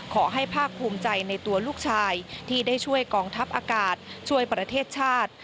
ภาคภูมิใจในตัวลูกชายที่ได้ช่วยกองทัพอากาศช่วยประเทศชาติ